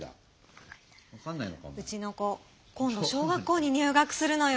うちの子今度小学校に入学するのよ。